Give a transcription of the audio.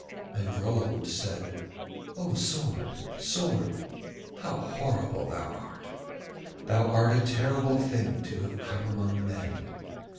And Rold said: 'O sword, sword! How horrible thou art! Thou art a terrible thing to have come among men.